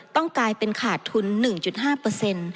ต้องกลายเป็นขาดทุน๑๕